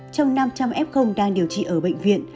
trong năm trăm linh f đang điều trị ở bệnh viện